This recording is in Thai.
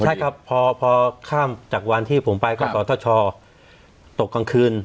ใช่ครับพอข้ามจากวันที่ผมไปก็สทชตกกลางคืน